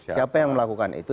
siapa yang melakukan itu